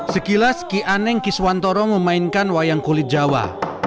sekilas ki aneng kiswantoro memainkan wayang kulit jawa